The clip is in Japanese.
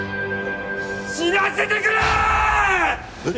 死なせてくれーっ！！